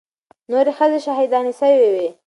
نورې ښځې شهيدانې سوې وې.